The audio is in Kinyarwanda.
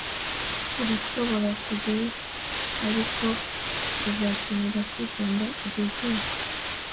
urashobora kujyayo, ariko uzakenera kwitonda igihe cyose